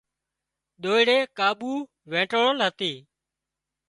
ۮوئيڙي ڪاٻو وينٽوۯل هتي